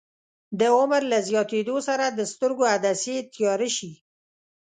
د عمر له زیاتیدو سره د سترګو عدسیې تیاره شي.